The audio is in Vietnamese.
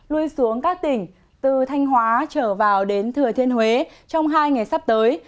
lui xuống các tỉnh từ thanh hóa trở vào đến thừa thiên huế trong hai ngày sắp tới